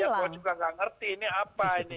bahaya pohon juga gak ngerti ini apa ini